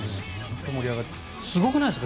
すごくないですか？